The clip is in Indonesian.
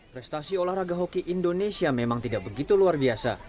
prestasi olahraga hoki indonesia memang tidak begitu luar biasa